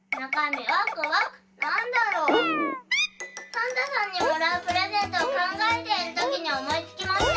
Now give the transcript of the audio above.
サンタさんにもらうプレゼントをかんがえているときにおもいつきました。